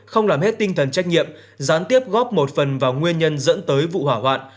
không làm hết tinh thần trách nhiệm gián tiếp góp một phần vào nguyên nhân dẫn tới vụ hỏa hoạn